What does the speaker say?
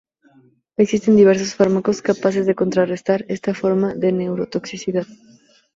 Existen diversos fármacos capaces de contrarrestar esta forma de neurotoxicidad.